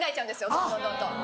どんどんどんどん。